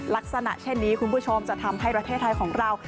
ลักษณะเช่นนี้คุณผู้ชมจะทำให้ประเทศไทยของเรา